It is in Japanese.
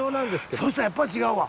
あっそしたらやっぱり違うわ。